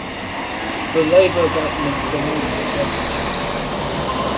The Labour Government promoted the package.